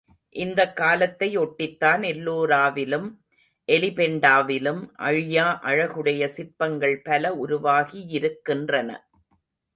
இந்தக் காலத்தை ஒட்டித்தான் எல்லோராவிலும், எலிபெண்டாவிலும் அழியா அழகுடைய சிற்பங்கள் பல உருவாகியிருக்கின்றன.